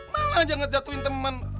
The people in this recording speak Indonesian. malah jangan jatuhin temen